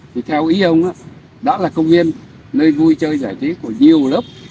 thì theo ý ông đã là công viên nơi vui chơi giải trí của nhiều lớp